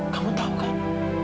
kamu tahu kak